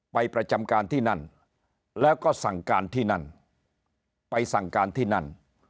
ประจำการที่นั่นแล้วก็สั่งการที่นั่นไปสั่งการที่นั่น